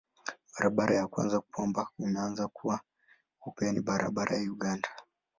Barabara ya kwanza kwamba imeanza kuwa upya ni barabara ya Uganda.